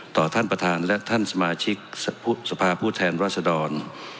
ต่อท่านประธานและท่านสมาชิกสภาพผู้แทนรัศดร